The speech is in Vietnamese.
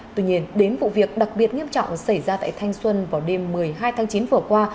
tuy nhiên đến vụ việc đặc biệt nghiêm trọng xảy ra tại thanh xuân vào đêm một mươi hai tháng chín vừa qua